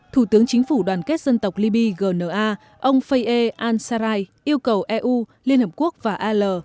thủ tướng chính phủ đoàn kết dân tộc liby gna ông faye an sarai yêu cầu eu liên hợp quốc và al